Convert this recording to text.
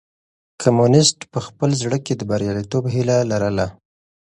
کمونيسټ په خپل زړه کې د برياليتوب هيله لرله.